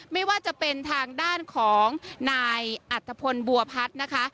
ไม่ว่าจะเป็นทางด้านของนายอัตภพลบัวพัฒน์นะคะ